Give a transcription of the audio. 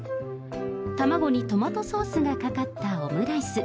卵にトマトソースがかかったオムライス。